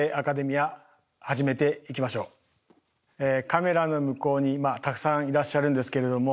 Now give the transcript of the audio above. カメラの向こうにたくさんいらっしゃるんですけれども。